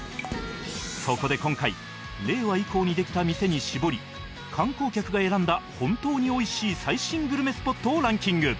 そこで今回令和以降にできた店に絞り観光客が選んだ本当に美味しい最新グルメスポットをランキング